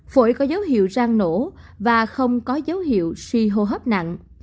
phổi có dấu hiệu rang nổ và không có dấu hiệu suy hô hấp nặng